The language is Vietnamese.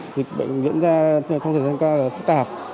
dịch bệnh diễn ra trong thời gian cao là phát tạp